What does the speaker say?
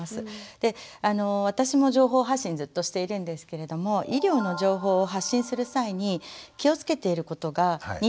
で私も情報発信ずっとしているんですけれども医療の情報を発信する際に気をつけていることが２点あります。